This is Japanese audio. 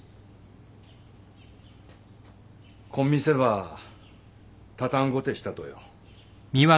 こん店ば畳んごてしたとよ。